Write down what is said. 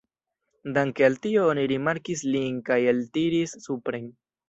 Danke al tio oni rimarkis lin kaj eltiris supren.